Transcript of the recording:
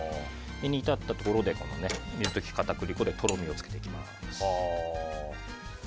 煮立ったところで水溶き片栗粉でとろみをつけていきます。